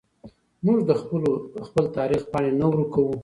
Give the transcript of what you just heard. موږ د خپل تاریخ پاڼې نه ورکوو.